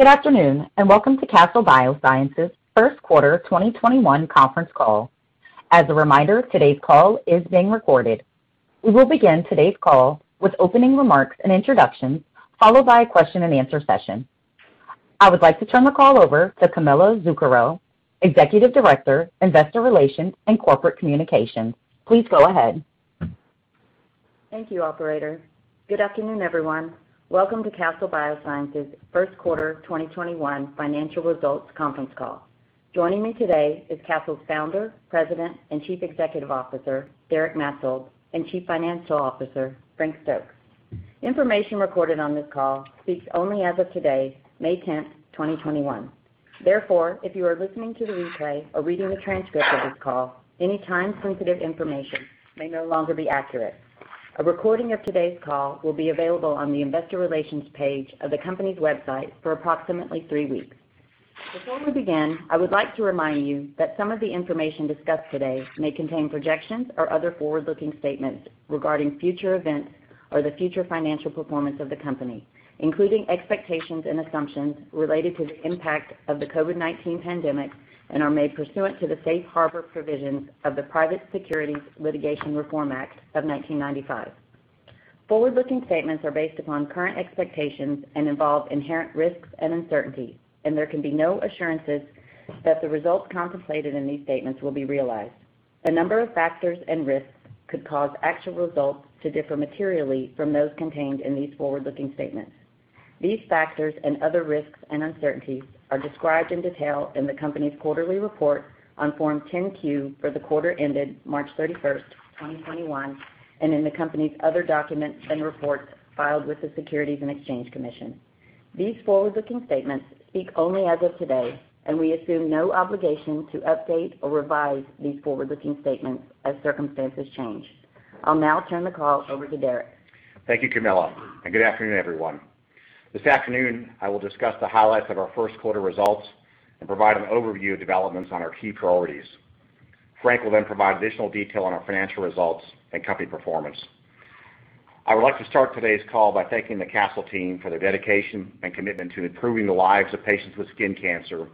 Good afternoon, and welcome to Castle Biosciences' first quarter 2021 conference call. As a reminder, today's call is being recorded. We will begin today's call with opening remarks and introductions, followed by a question and answer session. I would like to turn the call over to Camilla Zuckero, Executive Director, Investor Relations and Corporate Communications. Please go ahead. Thank you, operator. Good afternoon, everyone. Welcome to Castle Biosciences' first quarter 2021 financial results conference call. Joining me today is Castle's Founder, President, and Chief Executive Officer, Derek Maetzold, and Chief Financial Officer, Frank Stokes. Information recorded on this call speaks only as of today, May 10th, 2021. If you are listening to the replay or reading a transcript of this call, any time-sensitive information may no longer be accurate. A recording of today's call will be available on the investor relations page of the company's website for approximately three weeks. Before we begin, I would like to remind you that some of the information discussed today may contain projections or other forward-looking statements regarding future events or the future financial performance of the company, including expectations and assumptions related to the impact of the COVID-19 pandemic and are made pursuant to the safe harbor provisions of the Private Securities Litigation Reform Act of 1995. Forward-looking statements are based upon current expectations and involve inherent risks and uncertainties, and there can be no assurances that the results contemplated in these statements will be realized. A number of factors and risks could cause actual results to differ materially from those contained in these forward-looking statements. These factors and other risks and uncertainties are described in detail in the company's quarterly report on Form 10-Q for the quarter ended March 31st, 2021, and in the company's other documents and reports filed with the Securities and Exchange Commission. These forward-looking statements speak only as of today. We assume no obligation to update or revise these forward-looking statements as circumstances change. I'll now turn the call over to Derek. Thank you, Camilla Zuckero. Good afternoon, everyone. This afternoon, I will discuss the highlights of our first quarter results and provide an overview of developments on our key priorities. Frank Stokes will provide additional detail on our financial results and company performance. I would like to start today's call by thanking the Castle Biosciences team for their dedication and commitment to improving the lives of patients with skin cancer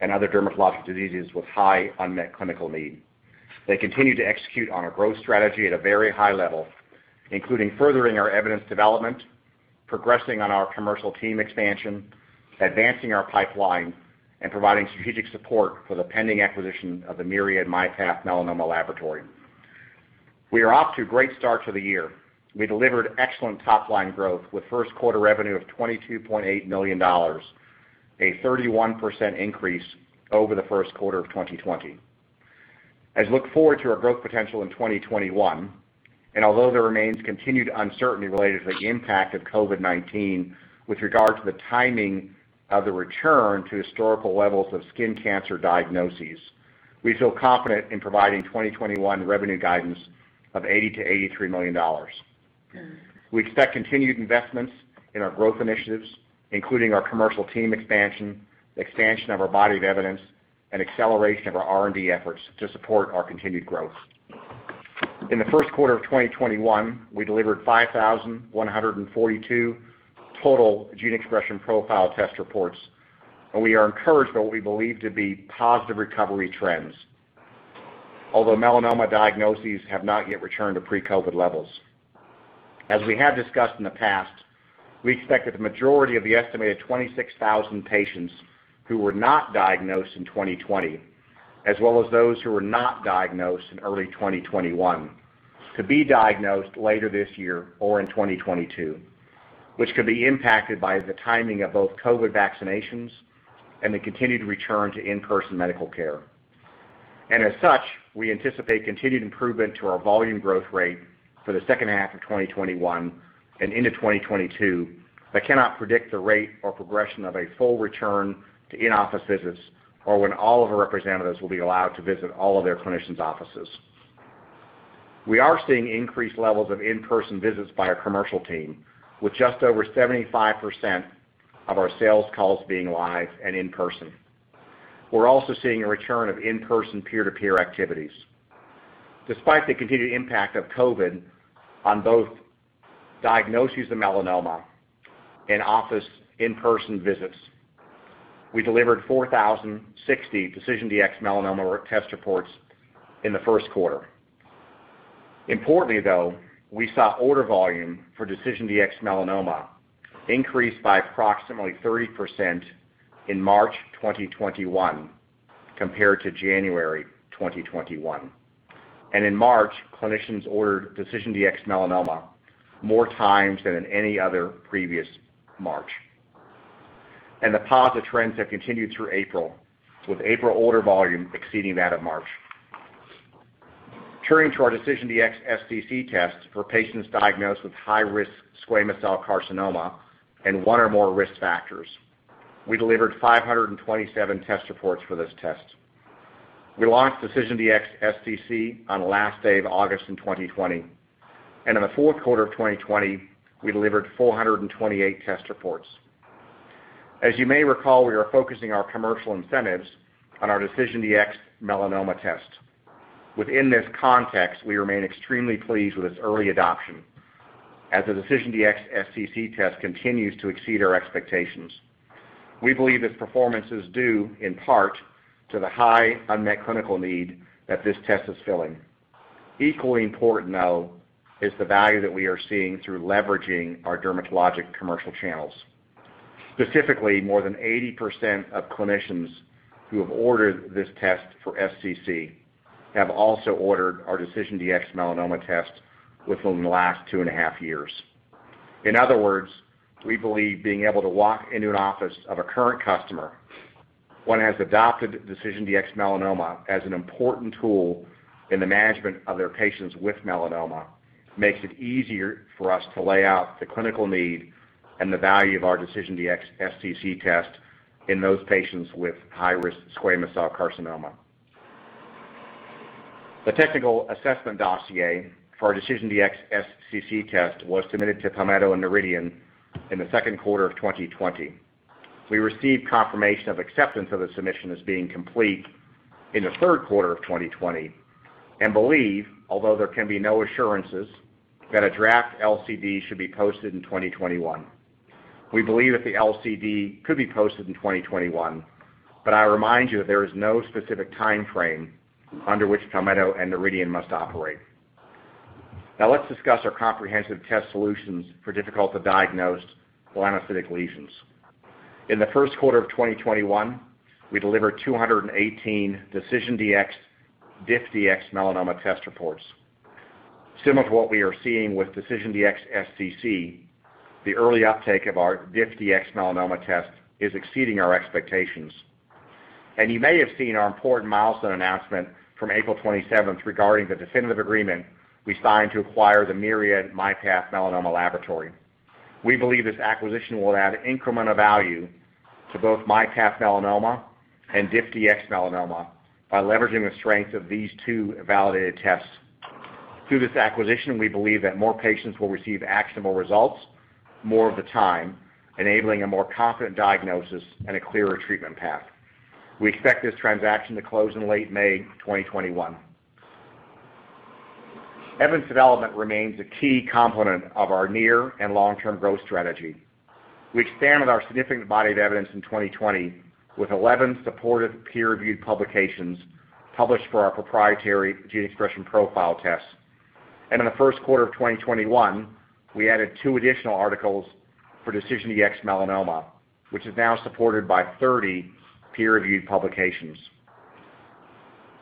and other dermatologic diseases with high unmet clinical need. They continue to execute on our growth strategy at a very high level, including furthering our evidence development, progressing on our commercial team expansion, advancing our pipeline, and providing strategic support for the pending acquisition of the Myriad myPath Melanoma Laboratory. We are off to a great start to the year. We delivered excellent top-line growth with first quarter revenue of $22.8 million, a 31% increase over the first quarter of 2020. As we look forward to our growth potential in 2021, and although there remains continued uncertainty related to the impact of COVID-19 with regard to the timing of the return to historical levels of skin cancer diagnoses, we feel confident in providing 2021 revenue guidance of $80 million-$83 million. We expect continued investments in our growth initiatives, including our commercial team expansion of our body of evidence, and acceleration of our R&D efforts to support our continued growth. In the first quarter of 2021, we delivered 5,142 total gene expression profile test reports, and we are encouraged by what we believe to be positive recovery trends, although melanoma diagnoses have not yet returned to pre-COVID levels. As we have discussed in the past, we expect that the majority of the estimated 26,000 patients who were not diagnosed in 2020, as well as those who were not diagnosed in early 2021, to be diagnosed later this year or in 2022, which could be impacted by the timing of both COVID vaccinations and the continued return to in-person medical care. As such, we anticipate continued improvement to our volume growth rate for the second half of 2021 and into 2022, but cannot predict the rate or progression of a full return to in-office visits or when all of our representatives will be allowed to visit all of their clinicians' offices. We are seeing increased levels of in-person visits by our commercial team, with just over 75% of our sales calls being live and in person. We're also seeing a return of in-person peer-to-peer activities. Despite the continued impact of COVID-19 on both diagnoses of melanoma and office in-person visits, we delivered 4,060 DecisionDx-Melanoma test reports in the first quarter. Importantly, though, we saw order volume for DecisionDx-Melanoma increase by approximately 30% in March 2021 compared to January 2021. In March, clinicians ordered DecisionDx-Melanoma more times than in any other previous March. The positive trends have continued through April, with April order volume exceeding that of March. Turning to our DecisionDx-SCC test for patients diagnosed with high risk squamous cell carcinoma and one or more risk factors, we delivered 527 test reports for this test. We launched DecisionDx-SCC on the last day of August in 2020, and in the fourth quarter of 2020, we delivered 428 test reports. As you may recall, we are focusing our commercial incentives on our DecisionDx-Melanoma test. Within this context, we remain extremely pleased with its early adoption as the DecisionDx-SCC test continues to exceed our expectations. We believe this performance is due in part to the high unmet clinical need that this test is filling. Equally important, though, is the value that we are seeing through leveraging our dermatologic commercial channels. Specifically, more than 80% of clinicians who have ordered this test for SCC have also ordered our DecisionDx-Melanoma test within the last two and a half years. In other words, we believe being able to walk into an office of a current customer, one that has adopted DecisionDx-Melanoma as an important tool in the management of their patients with melanoma, makes it easier for us to lay out the clinical need and the value of our DecisionDx-SCC test in those patients with high-risk squamous cell carcinoma. The technical assessment dossier for our DecisionDx-SCC test was submitted to Palmetto and Noridian in the second quarter of 2020. We received confirmation of acceptance of the submission as being complete in the third quarter of 2020 and believe, although there can be no assurances, that a draft LCD should be posted in 2021. We believe that the LCD could be posted in 2021, but I remind you that there is no specific timeframe under which Palmetto and Noridian must operate. Now let's discuss our comprehensive test solutions for difficult to diagnose melanocytic lesions. In the first quarter of 2021, we delivered 218 DecisionDx DiffDx-Melanoma test reports. Similar to what we are seeing with DecisionDx-SCC, the early uptake of our DiffDx-Melanoma test is exceeding our expectations. You may have seen our important milestone announcement from April 27th regarding the definitive agreement we signed to acquire the Myriad myPath Melanoma laboratory. We believe this acquisition will add incremental value to both myPath Melanoma and DiffDx-Melanoma by leveraging the strength of these two validated tests. Through this acquisition, we believe that more patients will receive actionable results more of the time, enabling a more confident diagnosis and a clearer treatment path. We expect this transaction to close in late May 2021. Evidence development remains a key component of our near and long-term growth strategy. We expanded our significant body of evidence in 2020 with 11 supportive peer-reviewed publications published for our proprietary gene expression profile tests. In the first quarter of 2021, we added two additional articles for DecisionDx-Melanoma, which is now supported by 30 peer-reviewed publications.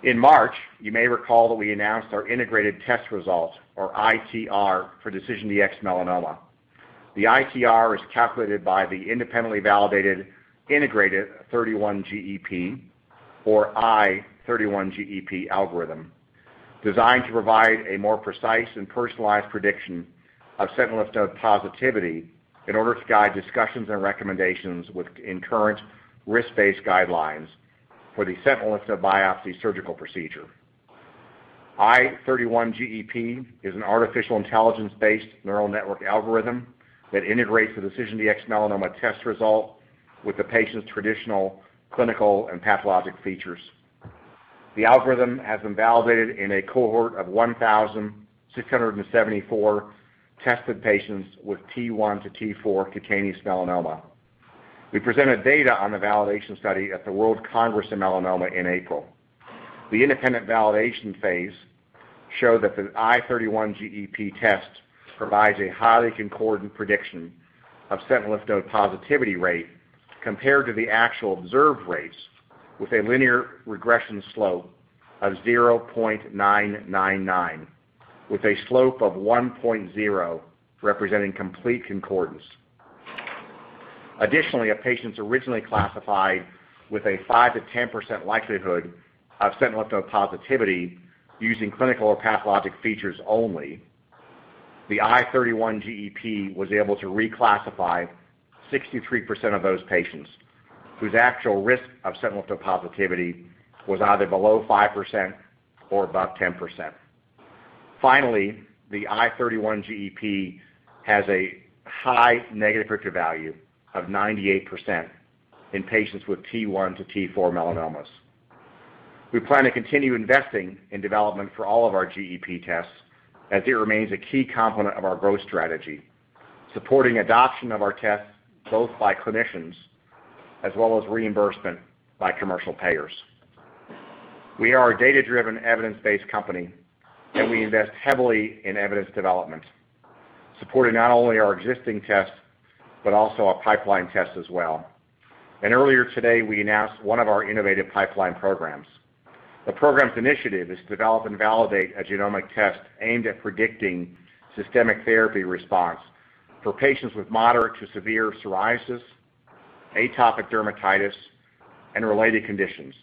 In March, you may recall that we announced our integrated test result, or ITR, for DecisionDx-Melanoma. The ITR is calculated by the independently validated integrated 31-GEP or i31-GEP algorithm, designed to provide a more precise and personalized prediction of sentinel lymph node positivity in order to guide discussions and recommendations in current risk-based guidelines for the sentinel lymph node biopsy surgical procedure. i31-GEP is an artificial intelligence-based neural network algorithm that integrates the DecisionDx-Melanoma test result with the patient's traditional clinical and pathologic features. The algorithm has been validated in a cohort of 1,674 tested patients with T1 to T4 cutaneous melanoma. We presented data on the validation study at the World Congress of Melanoma in April. The independent validation phase showed that the i31-GEP test provides a highly concordant prediction of sentinel lymph node positivity rate compared to the actual observed rates with a linear regression slope of 0.999, with a slope of 1.0 representing complete concordance. Additionally, if patients originally classified with a 5%-10% likelihood of sentinel lymph node positivity using clinical or pathologic features only, the i31-GEP was able to reclassify 63% of those patients whose actual risk of sentinel lymph node positivity was either below 5% or above 10%. Finally, the i31-GEP has a high negative predictive value of 98% in patients with T1 to T4 melanomas. We plan to continue investing in development for all of our GEP tests as it remains a key component of our growth strategy, supporting adoption of our tests both by clinicians as well as reimbursement by commercial payers. We are a data-driven, evidence-based company. We invest heavily in evidence development, supporting not only our existing tests, but also our pipeline tests as well. Earlier today, we announced one of our innovative pipeline programs. The program's initiative is to develop and validate a genomic test aimed at predicting systemic therapy response for patients with moderate to severe psoriasis, atopic dermatitis, and related conditions.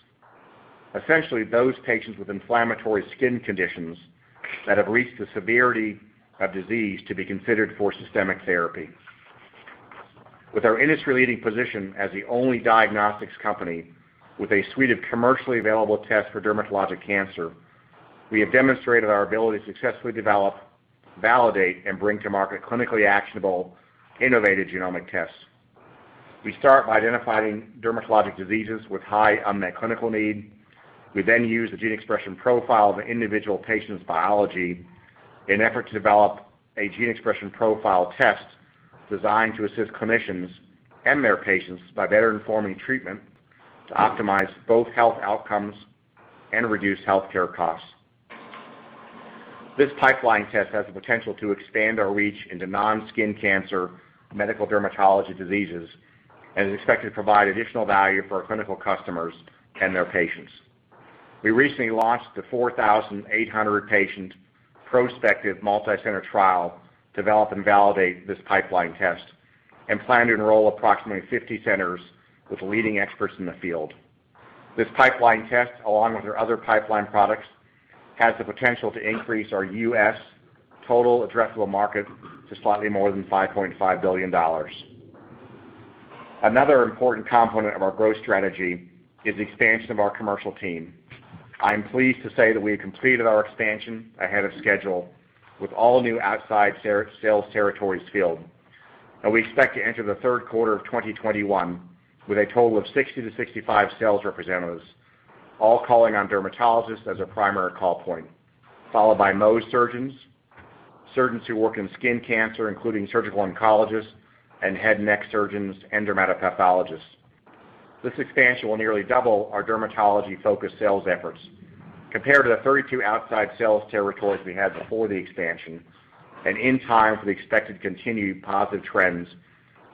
Essentially, those patients with inflammatory skin conditions that have reached the severity of disease to be considered for systemic therapy. With our industry-leading position as the only diagnostics company with a suite of commercially available tests for dermatologic cancer, we have demonstrated our ability to successfully develop, validate, and bring to market clinically actionable, innovative genomic tests. We start by identifying dermatologic diseases with high unmet clinical need. We then use the gene expression profile of an individual patient's biology in an effort to develop a gene expression profile test designed to assist clinicians and their patients by better informing treatment to optimize both health outcomes and reduce healthcare costs. This pipeline test has the potential to expand our reach into non-skin cancer medical dermatology diseases and is expected to provide additional value for our clinical customers and their patients. We recently launched the 4,800-patient prospective multi-center trial to develop and validate this pipeline test and plan to enroll approximately 50 centers with leading experts in the field. This pipeline test, along with our other pipeline products, has the potential to increase our U.S. total addressable market to slightly more than $5.5 billion. Another important component of our growth strategy is the expansion of our commercial team. I am pleased to say that we have completed our expansion ahead of schedule with all new outside sales territories filled. We expect to enter the third quarter of 2021 with a total of 60 to 65 sales representatives, all calling on dermatologists as a primary call point, followed by Mohs surgeons who work in skin cancer, including surgical oncologists and head and neck surgeons and dermatopathologists. This expansion will nearly double our dermatology-focused sales efforts compared to the 32 outside sales territories we had before the expansion and in time for the expected continued positive trends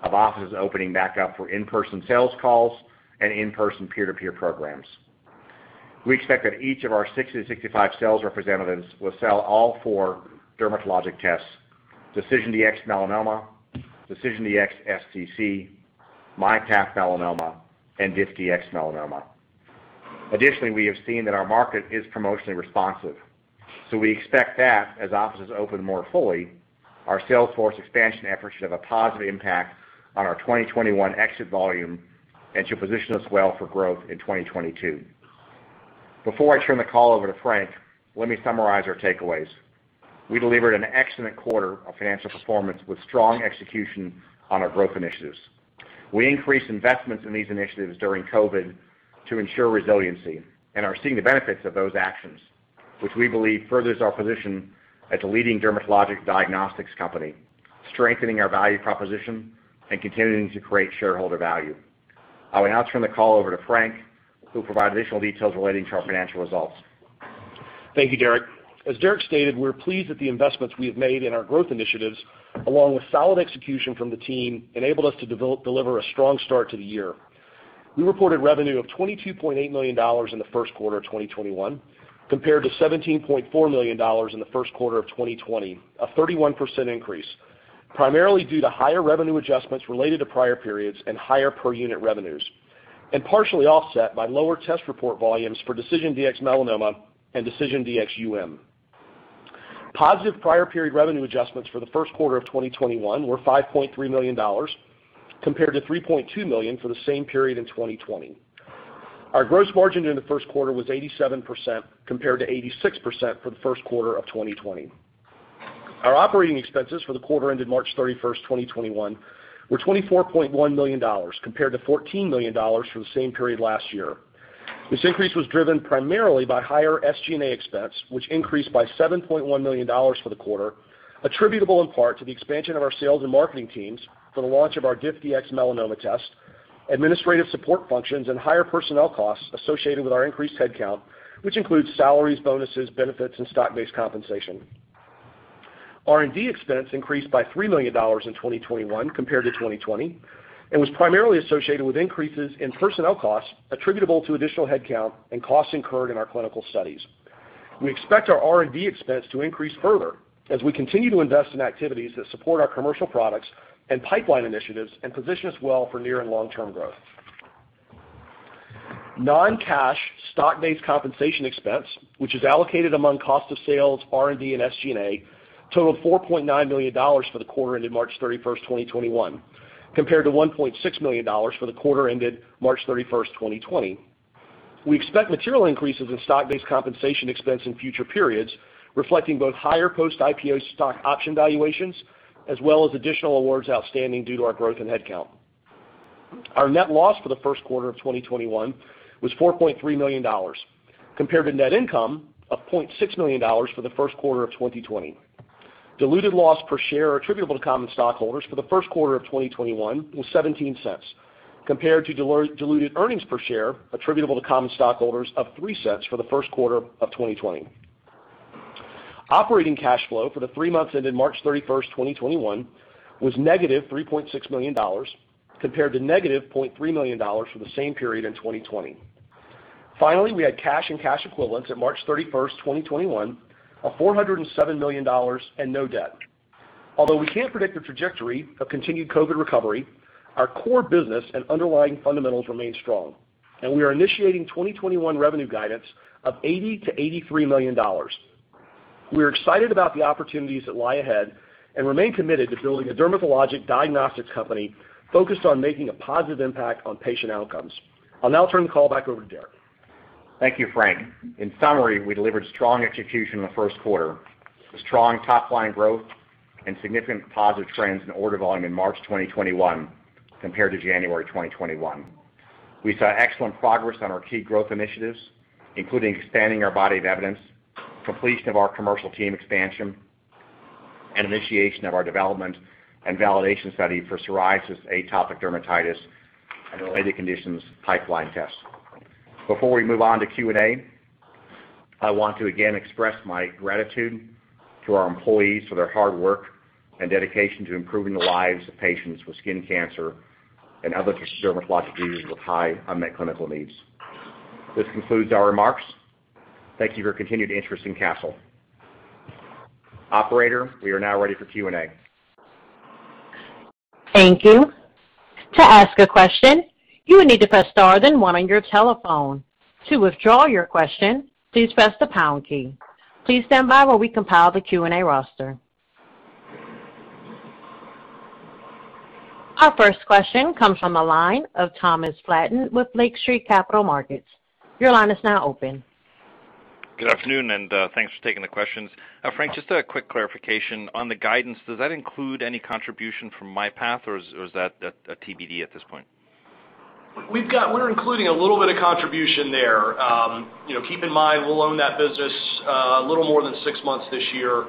of offices opening back up for in-person sales calls and in-person peer-to-peer programs. We expect that each of our 60 to 65 sales representatives will sell all four dermatologic tests: DecisionDx-Melanoma, DecisionDx-SCC, myPath Melanoma, and DiffDx-Melanoma. We expect that as offices open more fully, our sales force expansion efforts should have a positive impact on our 2021 exit volume and should position us well for growth in 2022. Before I turn the call over to Frank, let me summarize our takeaways. We delivered an excellent quarter of financial performance with strong execution on our growth initiatives. We increased investments in these initiatives during COVID to ensure resiliency and are seeing the benefits of those actions, which we believe furthers our position as a leading dermatologic diagnostics company, strengthening our value proposition and continuing to create shareholder value. I will now turn the call over to Frank, who will provide additional details relating to our financial results. Thank you, Derek. As Derek stated, we're pleased that the investments we have made in our growth initiatives, along with solid execution from the team, enabled us to deliver a strong start to the year. We reported revenue of $22.8 million in the first quarter of 2021, compared to $17.4 million in the first quarter of 2020, a 31% increase, primarily due to higher revenue adjustments related to prior periods and higher per-unit revenues, and partially offset by lower test report volumes for DecisionDx-Melanoma and DecisionDx-UM. Positive prior period revenue adjustments for the first quarter of 2021 were $5.3 million, compared to $3.2 million for the same period in 2020. Our gross margin in the first quarter was 87%, compared to 86% for the first quarter of 2020. Our operating expenses for the quarter ended March 31st, 2021, were $24.1 million compared to $14 million for the same period last year. This increase was driven primarily by higher SG&A expense, which increased by $7.1 million for the quarter, attributable in part to the expansion of our sales and marketing teams for the launch of our DiffDx-Melanoma test, administrative support functions, and higher personnel costs associated with our increased headcount, which includes salaries, bonuses, benefits, and stock-based compensation. R&D expense increased by $3 million in 2021 compared to 2020 and was primarily associated with increases in personnel costs attributable to additional headcount and costs incurred in our clinical studies. We expect our R&D expense to increase further as we continue to invest in activities that support our commercial products and pipeline initiatives and position us well for near and long-term growth. Non-cash stock-based compensation expense, which is allocated among cost of sales, R&D, and SG&A, totaled $4.9 million for the quarter ended March 31st, 2021, compared to $1.6 million for the quarter ended March 31st, 2020. We expect material increases in stock-based compensation expense in future periods, reflecting both higher post-IPO stock option valuations as well as additional awards outstanding due to our growth in headcount. Our net loss for the first quarter of 2021 was $4.3 million, compared to net income of $0.6 million for the first quarter of 2020. Diluted loss per share attributable to common stockholders for the first quarter of 2021 was $0.17, compared to diluted earnings per share attributable to common stockholders of $0.03 for the first quarter of 2020. Operating cash flow for the three months ended March 31st, 2021, was negative $3.6 million, compared to negative $0.3 million for the same period in 2020. Finally, we had cash and cash equivalents at March 31st, 2021, of $407 million and no debt. Although we can't predict the trajectory of continued COVID-19 recovery, our core business and underlying fundamentals remain strong, and we are initiating 2021 revenue guidance of $80 million-$83 million. We are excited about the opportunities that lie ahead and remain committed to building a dermatologic diagnostics company focused on making a positive impact on patient outcomes. I'll now turn the call back over to Derek. Thank you, Frank. In summary, we delivered strong execution in the first quarter with strong top-line growth and significant positive trends in order volume in March 2021 compared to January 2021. We saw excellent progress on our key growth initiatives, including expanding our body of evidence, completion of our commercial team expansion, and initiation of our development and validation study for psoriasis, atopic dermatitis, and related conditions pipeline tests. Before we move on to Q&A, I want to again express my gratitude to our employees for their hard work and dedication to improving the lives of patients with skin cancer and other dermatologic diseases with high unmet clinical needs. This concludes our remarks. Thank you for your continued interest in Castle. Operator, we are now ready for Q&A. Our first question comes from the line of Thomas Flaten with Lake Street Capital Markets. Your line is now open. Good afternoon. Thanks for taking the questions. Frank, just a quick clarification on the guidance. Does that include any contribution from myPath, or is that TBD at this point? We're including a little bit of contribution there. Keep in mind, we'll own that business a little more than six months this year.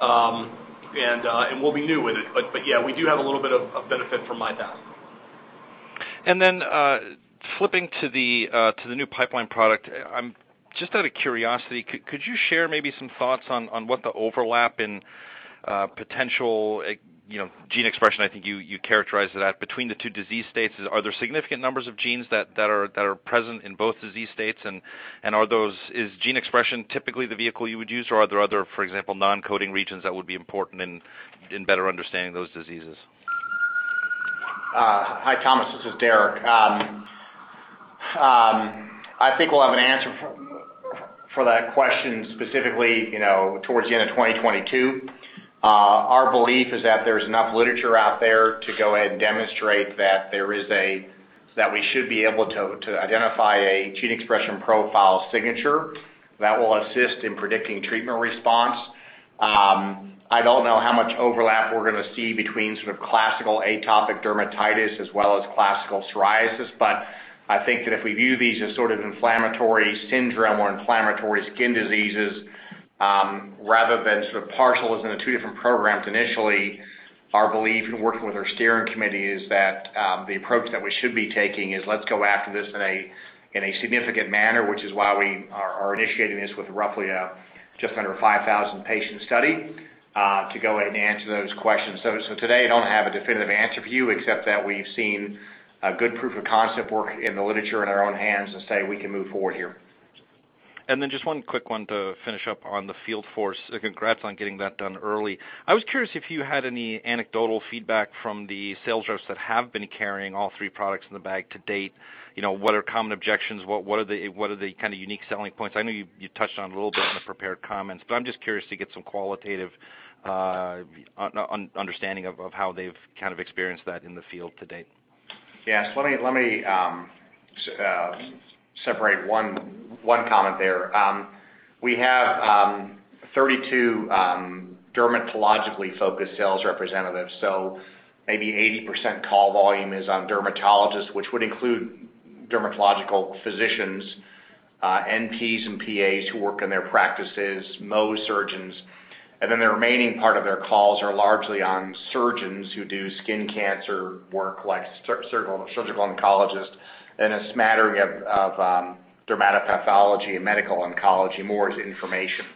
We'll be new with it. Yeah, we do have a little bit of benefit from myPath. Then flipping to the new pipeline product. Just out of curiosity, could you share maybe some thoughts on what the overlap in potential gene expression, I think you characterized it at, between the two disease states is? Are there significant numbers of genes that are present in both disease states? Is gene expression typically the vehicle you would use, or are there other, for example, non-coding regions that would be important in better understanding those diseases? Hi, Thomas. This is Derek. I think we'll have an answer for that question specifically towards the end of 2022. Our belief is that there's enough literature out there to go ahead and demonstrate that we should be able to identify a gene expression profile signature that will assist in predicting treatment response. I don't know how much overlap we're going to see between classical atopic dermatitis as well as classical psoriasis. I think that if we view these as inflammatory syndrome or inflammatory skin diseases rather than partials in the two different programs initially, our belief in working with our steering committee is that the approach that we should be taking is let's go after this in a significant manner, which is why we are initiating this with roughly just under a 5,000-patient study to go ahead and answer those questions. Today, I don't have a definitive answer for you except that we've seen a good proof of concept work in the literature in our own hands and say we can move forward here. Then just one quick one to finish up on the field force. Congrats on getting that done early. I was curious if you had any anecdotal feedback from the sales reps that have been carrying all three products in the bag to date. What are common objections? What are the kind of unique selling points? I know you touched on it a little bit in the prepared comments, I'm just curious to get some qualitative understanding of how they've experienced that in the field to date. Yes. Let me separate one comment there. We have 32 dermatologically focused sales representatives. Maybe 80% call volume is on dermatologists, which would include dermatological physicians, NPs, and PAs who work in their practices, Mohs surgeons. The remaining part of their calls are largely on surgeons who do skin cancer work, like surgical oncologists, and a smattering of dermatopathology and medical oncology more as information.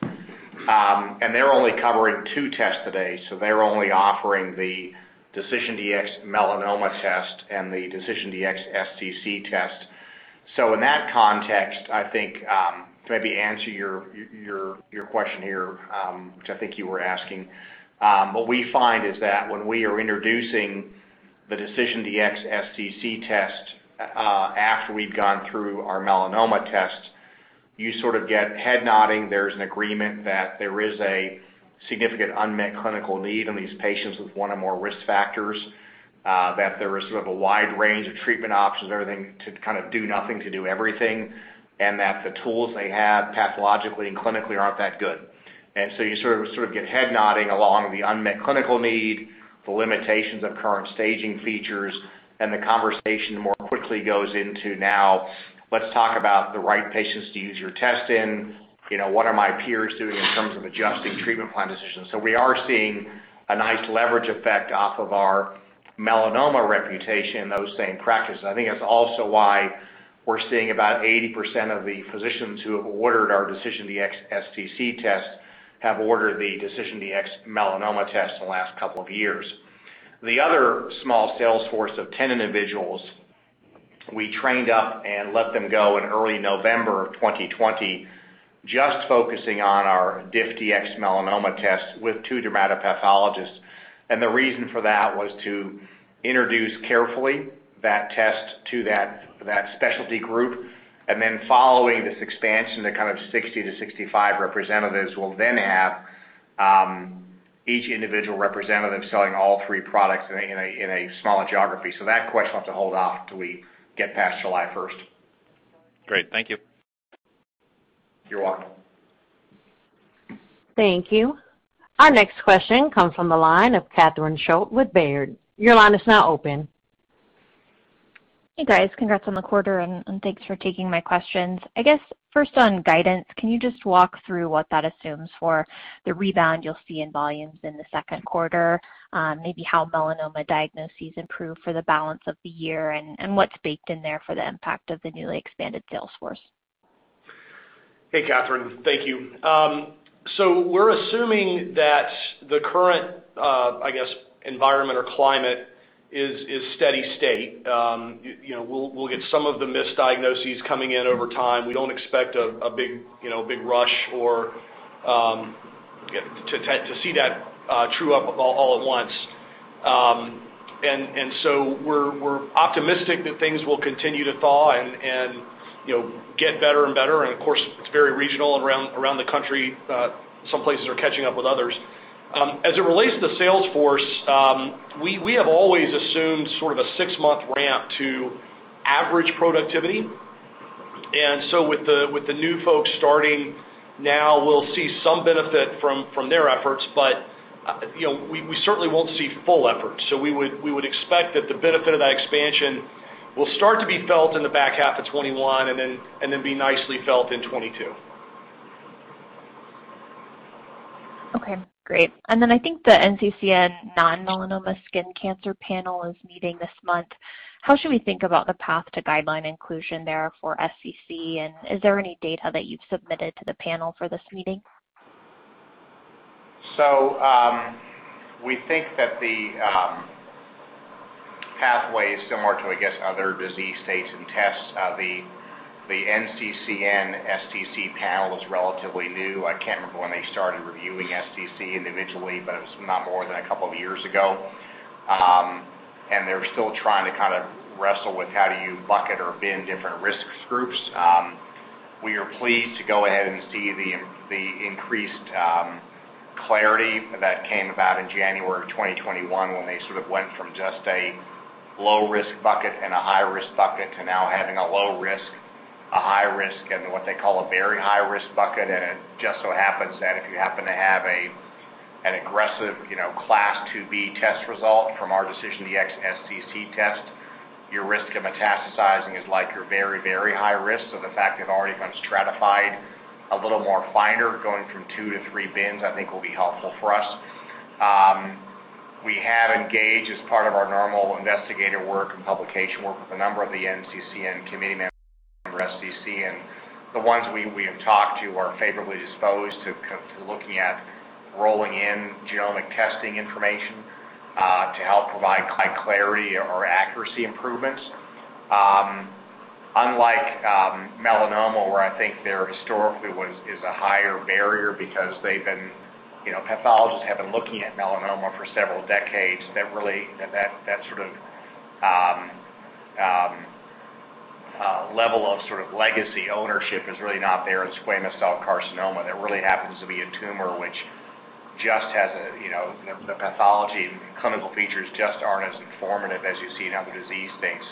They're only covering two tests today, so they're only offering the DecisionDx-Melanoma test and the DecisionDx-SCC test. In that context, I think to maybe answer your question here, which I think you were asking, what we find is that when we are introducing the DecisionDx-SCC test after we've gone through our melanoma test, you sort of get head nodding. There's an agreement that there is a significant unmet clinical need in these patients with one or more risk factors, that there is sort of a wide range of treatment options, everything to kind of do nothing to do everything, and that the tools they have pathologically and clinically aren't that good. You sort of get head nodding along the unmet clinical need, the limitations of current staging features, and the conversation more quickly goes into now, let's talk about the right patients to use your test in. What are my peers doing in terms of adjusting treatment plan decisions? We are seeing a nice leverage effect off of our melanoma reputation in those same practices. I think that's also why we're seeing about 80% of the physicians who have ordered our DecisionDx-SCC test have ordered the DecisionDx-Melanoma test in the last couple of years. The other small sales force of 10 individuals, we trained up and let them go in early November 2020, just focusing on our DiffDx-Melanoma test with two dermatopathologists. The reason for that was to introduce carefully that test to that specialty group. Following this expansion to 60-65 representatives, we'll then have Each individual representative selling all three products in a smaller geography. That question will have to hold off till we get past July 1st. Great. Thank you. You're welcome. Thank you. Our next question comes from the line of Catherine Schulte with Baird. Hey, guys. Congrats on the quarter, and thanks for taking my questions. I guess, first on guidance, can you just walk through what that assumes for the rebound you'll see in volumes in the second quarter? Maybe how melanoma diagnoses improve for the balance of the year, and what's baked in there for the impact of the newly expanded sales force. Hey, Catherine. Thank you. We're assuming that the current environment or climate is steady state. We'll get some of the misdiagnoses coming in over time. We don't expect a big rush or to see that true up all at once. We're optimistic that things will continue to thaw and get better and better. Of course, it's very regional around the country. Some places are catching up with others. As it relates to the sales force, we have always assumed sort of a six-month ramp to average productivity. With the new folks starting now, we'll see some benefit from their efforts. We certainly won't see full effort. We would expect that the benefit of that expansion will start to be felt in the back half of 2021 and then be nicely felt in 2022. Okay. Great. I think the NCCN Non-Melanoma Skin Cancer Panel is meeting this month. How should we think about the path to guideline inclusion there for SCC, and is there any data that you've submitted to the panel for this meeting? We think that the pathway is similar to, I guess, other disease states and tests. The NCCN SCC panel is relatively new. I can't remember when they started reviewing SCC individually, but it was not more than a couple of years ago. They're still trying to kind of wrestle with how do you bucket or bin different risk groups. We are pleased to go ahead and see the increased clarity that came about in January of 2021, when they sort of went from just a low-risk bucket and a high-risk bucket to now having a low risk, a high risk, and what they call a very high-risk bucket. It just so happens that if you happen to have an aggressive Class 2B test result from our DecisionDx-SCC test, your risk of metastasizing is like your very high risk. The fact they've already been stratified a little more finer, going from two to three bins, I think will be helpful for us. We have engaged, as part of our normal investigator work and publication work, with a number of the NCCN committee members for SCC. The ones we have talked to are favorably disposed to looking at rolling in genomic testing information to help provide clarity or accuracy improvements. Unlike melanoma, where I think there historically is a higher barrier because pathologists have been looking at melanoma for several decades. That sort of level of legacy ownership is really not there in squamous cell carcinoma. That really happens to be a tumor which the pathology and clinical features just aren't as informative as you see in other disease states.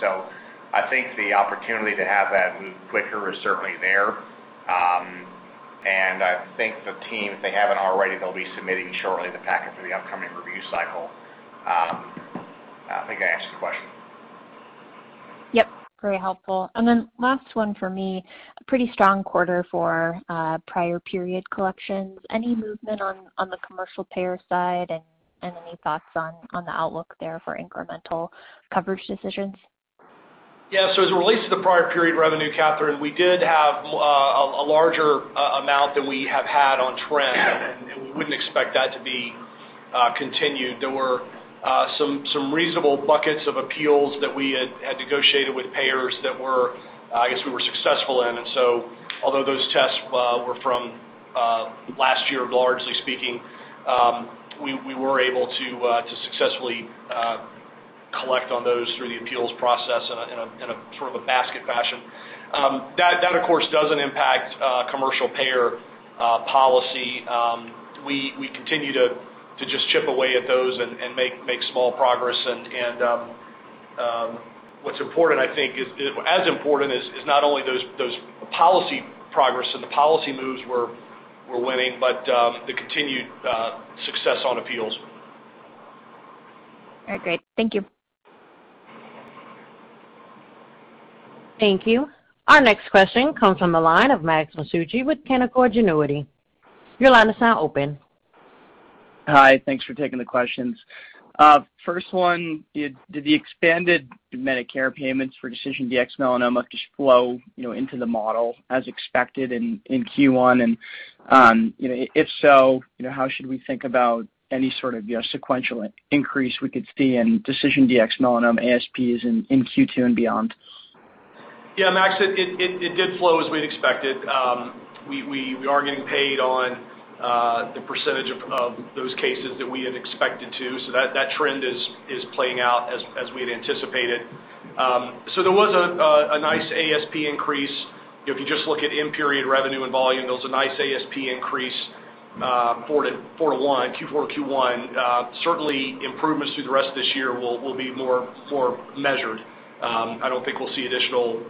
I think the opportunity to have that move quicker is certainly there. I think the team, if they haven't already, they'll be submitting shortly the packet for the upcoming review cycle. I think I answered the question. Yep, very helpful. Last one for me, a pretty strong quarter for prior period collections. Any movement on the commercial payer side, and any thoughts on the outlook there for incremental coverage decisions? Yeah. As it relates to the prior period revenue, Catherine, we did have a larger amount than we have had on trend, and we wouldn't expect that to be continued. There were some reasonable buckets of appeals that we had negotiated with payers that I guess we were successful in. Although those tests were from last year, largely speaking, we were able to successfully collect on those through the appeals process in a sort of a basket fashion. That, of course, doesn't impact commercial payer policy. We continue to just chip away at those and make small progress. What's as important is not only those policy progress and the policy moves we're winning, but the continued success on appeals. All right. Great. Thank you. Thank you. Our next question comes from the line of Max Masucci with Canaccord Genuity. Your line is now open. Hi. Thanks for taking the questions. First one, did the expanded Medicare payments for DecisionDx-Melanoma just flow into the model as expected in Q1? If so, how should we think about any sort of sequential increase we could see in DecisionDx-Melanoma ASPs in Q2 and beyond? Yeah, Max, it did flow as we'd expected. We are getting paid on the percentage of those cases that we had expected to. That trend is playing out as we had anticipated. There was a nice ASP increase. If you just look at in-period revenue and volume, there was a nice ASP increase quarter one, Q4 to Q1. Certainly, improvements through the rest of this year will be more measured. I don't think we'll see additional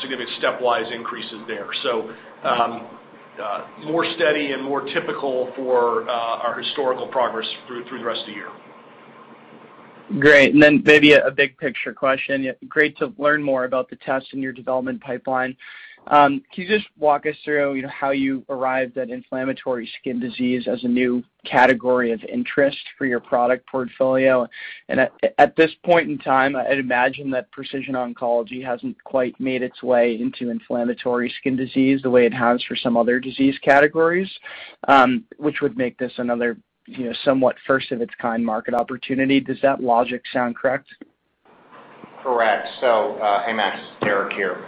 significant stepwise increases there. More steady and more typical for our historical progress through the rest of the year. Great. Then maybe a big picture question. Great to learn more about the test in your development pipeline. Can you just walk us through how you arrived at inflammatory skin disease as a new category of interest for your product portfolio? At this point in time, I'd imagine that precision oncology hasn't quite made its way into inflammatory skin disease the way it has for some other disease categories, which would make this another somewhat first of its kind market opportunity. Does that logic sound correct? Correct. Hey, Max. Derek here.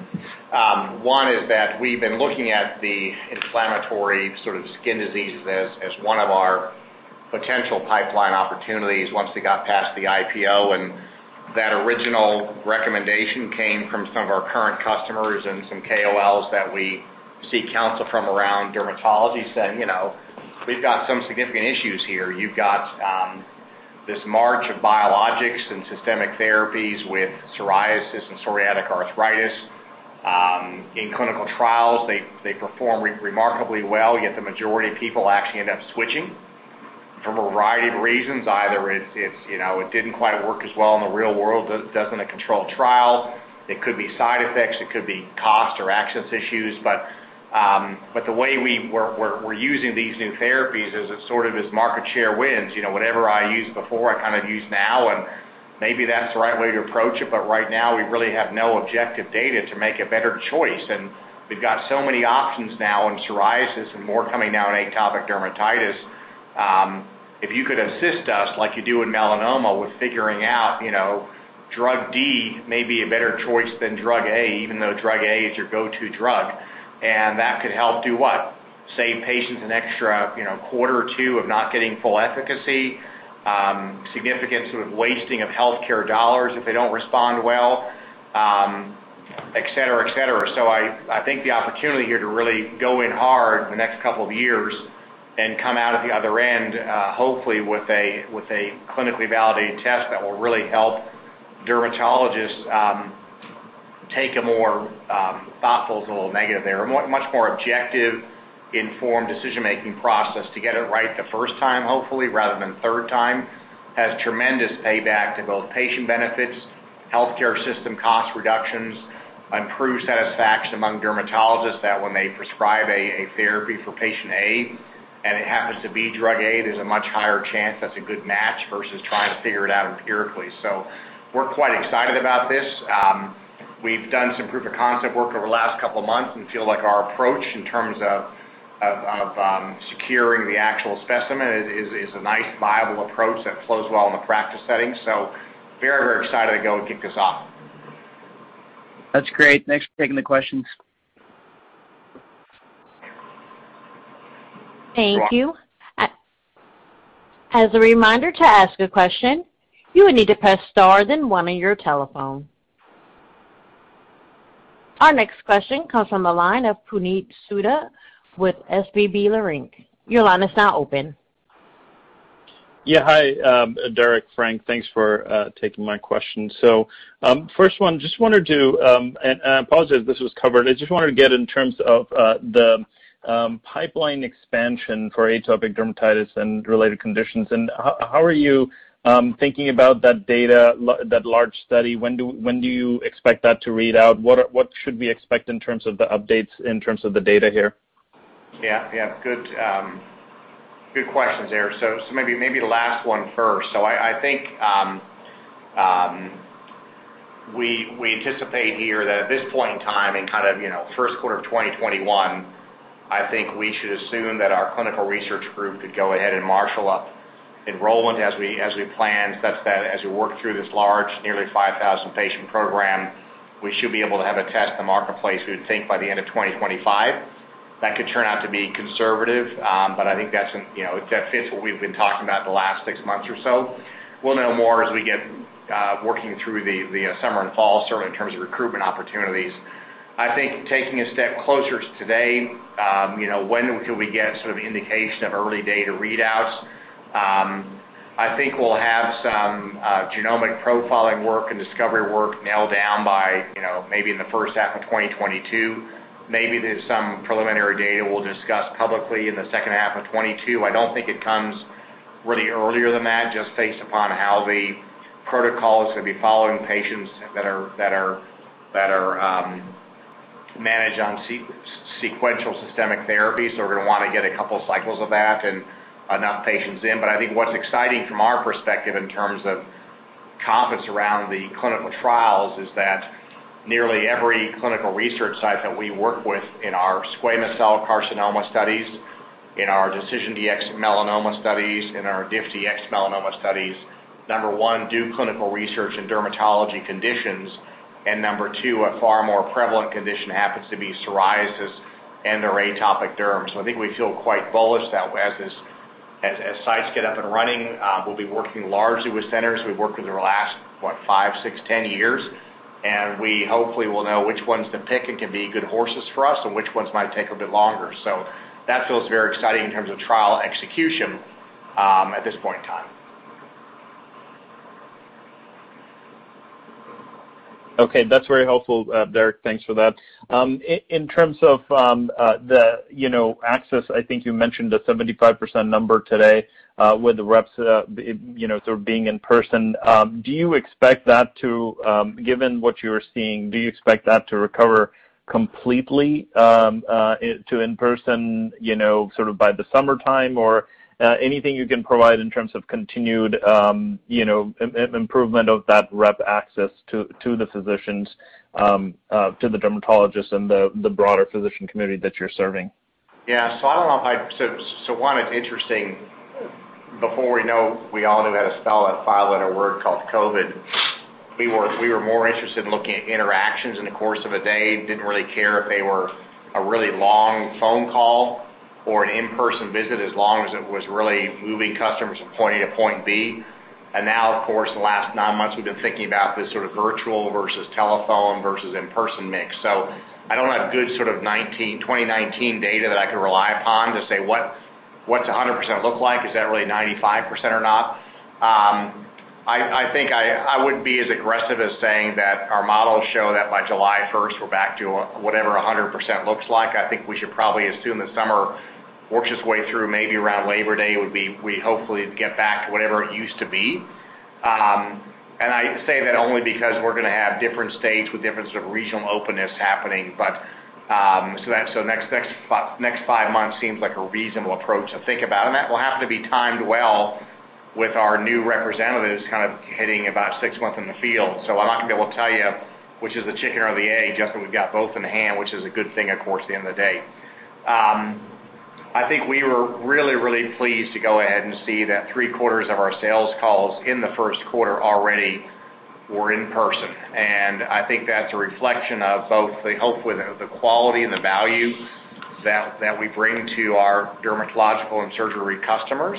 One is that we've been looking at the inflammatory skin diseases as one of our potential pipeline opportunities once we got past the IPO, and that original recommendation came from some of our current customers and some KOLs that we seek counsel from around dermatology saying, We've got some significant issues here. You've got this march of biologics and systemic therapies with psoriasis and psoriatic arthritis. In clinical trials, they perform remarkably well, yet the majority of people actually end up switching for a variety of reasons. Either it didn't quite work as well in the real world as it does in a controlled trial. It could be side effects, it could be cost or access issues. The way we're using these new therapies is as market share wins, whatever I used before, I use now, and maybe that's the right way to approach it. Right now, we really have no objective data to make a better choice, and we've got so many options now in psoriasis and more coming down atopic dermatitis. If you could assist us like you do in melanoma with figuring out drug D may be a better choice than drug A, even though drug A is your go-to drug, and that could help do what? Save patients an extra quarter or two of not getting full efficacy, significant wasting of healthcare dollars if they don't respond well, et cetera. I think the opportunity here to really go in hard the next couple of years and come out at the other end, hopefully with a clinically validated test that will really help dermatologists take a much more objective, informed decision-making process to get it right the first time, hopefully, rather than third time, has tremendous payback to both patient benefits, healthcare system cost reductions, improved satisfaction among dermatologists that when they prescribe a therapy for patient A, and it happens to be drug A, there's a much higher chance that's a good match versus trying to figure it out empirically. We're quite excited about this. We've done some proof of concept work over the last couple of months and feel like our approach in terms of securing the actual specimen is a nice, viable approach that flows well in the practice setting. Very excited to go and kick this off. That's great. Thanks for taking the questions. Thank you. As a reminder, to ask a question, you will need to press star then one on your telephone. Our next question comes from the line of Puneet Souda with SVB Leerink. Your line is now open. Yeah. Hi, Derek, Frank. Thanks for taking my question. First one, I apologize if this was covered. I just wanted to get in terms of the pipeline expansion for atopic dermatitis and related conditions, and how are you thinking about that data, that large study? When do you expect that to read out? What should we expect in terms of the updates, in terms of the data here? Yeah. Good questions there. Maybe the last one first. I think, we anticipate here that at this point in time, in first quarter of 2021, I think we should assume that our clinical research group could go ahead and marshal up enrollment as we planned, such that as we work through this large, nearly 5,000-patient program, we should be able to have a test to marketplace, we would think, by the end of 2025. That could turn out to be conservative, but I think that fits what we've been talking about the last six months or so. We'll know more as we get working through the summer and fall, certainly in terms of recruitment opportunities. I think taking a step closer to today, when could we get indication of early data readouts? I think we'll have some genomic profiling work and discovery work nailed down by maybe in the first half of 2022. There's some preliminary data we'll discuss publicly in the second half of 2022. I don't think it comes really earlier than that, just based upon how the protocols could be following patients that are managed on sequential systemic therapy. We're going to want to get a couple cycles of that and enough patients in. I think what's exciting from our perspective in terms of confidence around the clinical trials is that nearly every clinical research site that we work with in our squamous cell carcinoma studies, in our DecisionDx-Melanoma studies, in our DiffDx-Melanoma studies, number one, do clinical research in dermatology conditions, and number two, a far more prevalent condition happens to be psoriasis and/or atopic derm. I think we feel quite bullish that as this. As sites get up and running, we'll be working largely with centers we've worked with over the last, what? five, six, 10 years. We hopefully will know which ones to pick and can be good horses for us, and which ones might take a bit longer. That feels very exciting in terms of trial execution at this point in time. Okay. That's very helpful, Derek. Thanks for that. In terms of the access, I think you mentioned the 75% number today with the reps sort of being in person. Given what you're seeing, do you expect that to recover completely to in-person sort of by the summertime? Anything you can provide in terms of continued improvement of that rep access to the physicians, to the dermatologists and the broader physician community that you're serving? Yeah. One, it's interesting. Before we all knew how to spell that five-letter word called COVID, we were more interested in looking at interactions in the course of a day. Didn't really care if they were a really long phone call or an in-person visit as long as it was really moving customers from point A to point B. Now, of course, the last nine months we've been thinking about this sort of virtual versus telephone versus in-person mix. I don't have good sort of 2019 data that I can rely upon to say what does 100% look like. Is that really 95% or not? I think I wouldn't be as aggressive as saying that our models show that by July 1st we're back to whatever 100% looks like. I think we should probably assume that summer works its way through maybe around Labor Day we hopefully get back to whatever it used to be. I say that only because we're going to have different states with different sort of regional openness happening. Next five months seems like a reasonable approach to think about, and that will have to be timed well with our new representatives kind of hitting about six months in the field. I'm not going to be able to tell you which is the chicken or the egg, just that we've got both in hand, which is a good thing, of course, at the end of the day. I think we were really, really pleased to go ahead and see that three quarters of our sales calls in the first quarter already were in person. I think that's a reflection of both, hopefully, the quality and the value that we bring to our dermatological and surgery customers.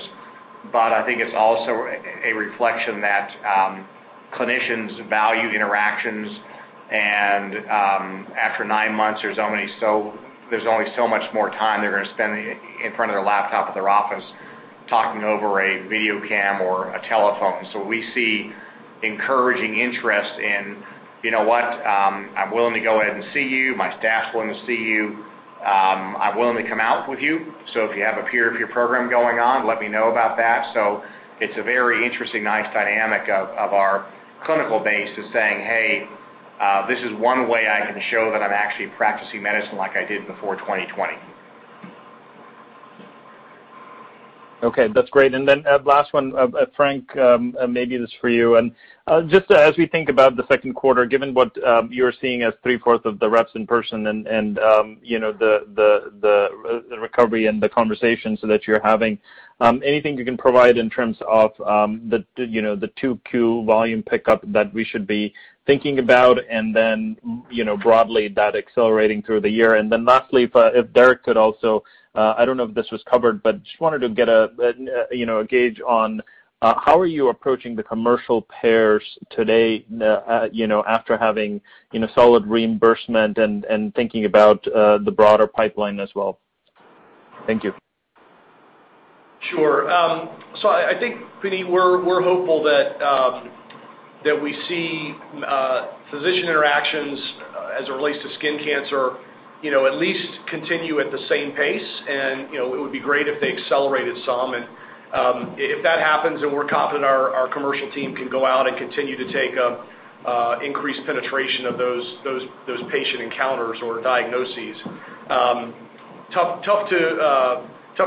I think it's also a reflection that clinicians value interactions. After nine months, there's only so much more time they're going to spend in front of their laptop at their office talking over a video cam or a telephone. We see encouraging interest in, "You know what, I'm willing to go ahead and see you. My staff's willing to see you. I'm willing to come out with you. If you have a peer program going on, let me know about that." It's a very interesting, nice dynamic of our clinical base is saying, "Hey, this is one way I can show that I'm actually practicing medicine like I did before 2020. Okay. That's great. Last one, Frank, maybe this is for you. Just as we think about the second quarter, given what you're seeing as three-fourth of the reps in person and the recovery and the conversations that you're having, anything you can provide in terms of the 2Q volume pickup that we should be thinking about, and then broadly that accelerating through the year? Lastly, if Derek could also, I don't know if this was covered, but just wanted to get a gauge on how are you approaching the commercial payers today after having solid reimbursement and thinking about the broader pipeline as well. Thank you. Sure. I think, Puneet, we're hopeful that we see physician interactions as it relates to skin cancer at least continue at the same pace. It would be great if they accelerated some. If that happens, then we're confident our commercial team can go out and continue to take increased penetration of those patient encounters or diagnoses. Tough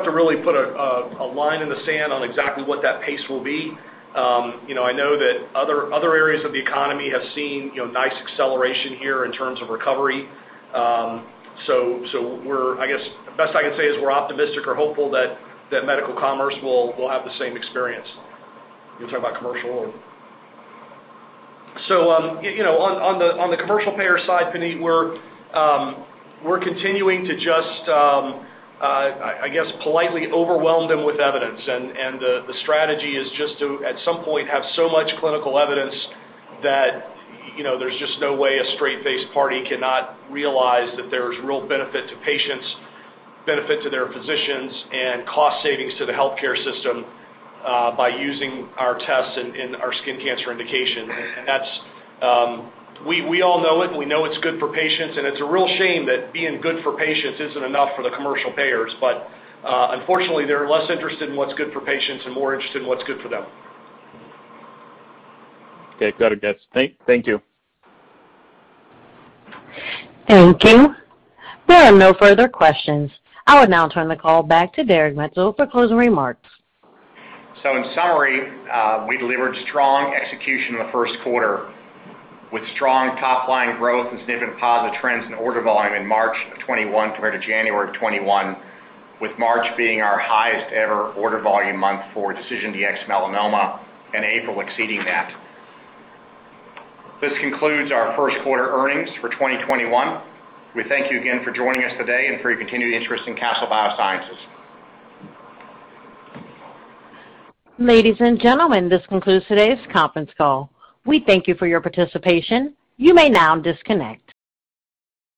to really put a line in the sand on exactly what that pace will be. I know that other areas of the economy have seen nice acceleration here in terms of recovery. I guess best I can say is we're optimistic or hopeful that medical commerce will have the same experience. You talking about commercial or? On the commercial payer side, Puneet, we're continuing to just, I guess, politely overwhelm them with evidence, and the strategy is just to, at some point, have so much clinical evidence that there's just no way a straight-faced party cannot realize that there's real benefit to patients, benefit to their physicians, and cost savings to the healthcare system by using our tests in our skin cancer indication. We all know it, we know it's good for patients, and it's a real shame that being good for patients isn't enough for the commercial payers. Unfortunately, they're less interested in what's good for patients and more interested in what's good for them. Okay. Got it, guys. Thank you. Thank you. There are no further questions. I would now turn the call back to Derek Maetzold for closing remarks. In summary, we delivered strong execution in the first quarter with strong top-line growth and significant positive trends in order volume in March 2021 compared to January 2021, with March being our highest-ever order volume month for DecisionDx-Melanoma, and April exceeding that. This concludes our first quarter earnings for 2021. We thank you again for joining us today and for your continued interest in Castle Biosciences. Ladies and gentlemen, this concludes today's conference call. We thank you for your participation. You may now disconnect.